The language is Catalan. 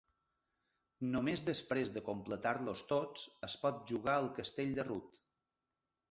Només després de completar-los tots es pot jugar al castell de Ruth.